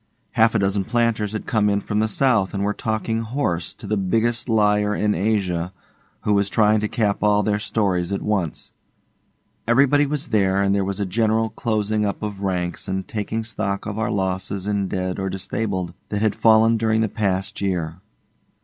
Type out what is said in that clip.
Half a dozen planters had come in from the south and were talking 'horse' to the Biggest Liar in Asia, who was trying to cap all their stories at once. Everybody was there, and there was a general closing up of ranks and taking stock of our losses in dead or disabled that had fallen during the past year.